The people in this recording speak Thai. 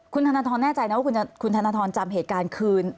คุณธนทรแน่ใจนะว่าคุณธนทรจำเหตุการณ์คืน